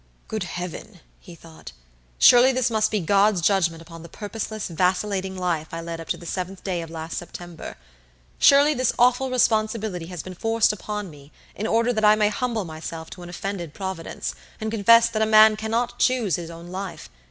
"Good Heaven!" he thought; "surely this must be God's judgment upon the purposeless, vacillating life I led up to the seventh day of last September. Surely this awful responsibility has been forced upon me in order that I may humble myself to an offended Providence, and confess that a man cannot choose his own life.